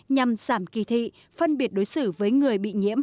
nhằm giảm kỳ thị phân biệt đối xử với người bị nhiễm